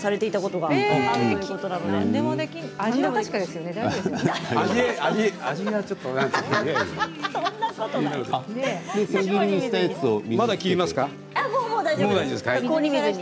もう大丈夫です。